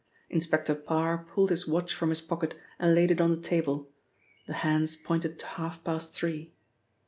Inspector Parr pulled his watch from his pocket and laid it on the table; the hands pointed to half past three.